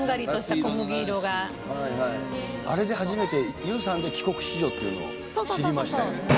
あれで初めて優さんで帰国子女っていうのを知りましたよ。